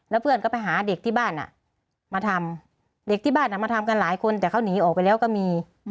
เพื่อนก็ไปหาเด็กที่บ้านมาทำเด็กที่บ้านมาทำกันหลายคนแต่เขาหนีออกไปแล้วก็มี